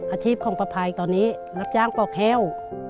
อาชีพของป้าภัยตอนนี้รับจ้างปอกแห้ว